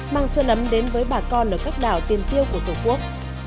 mang xuân ấm đến với bà con ở các đảo tiền tiêu của tổ quốc